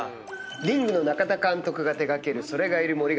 『リング』の中田監督が手掛ける『”それ”がいる森』がですね